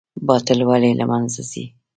باطل ولې له منځه ځي؟